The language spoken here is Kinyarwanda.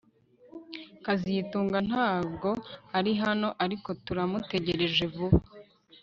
kazitunga ntabwo ari hano ariko turamutegereje vuba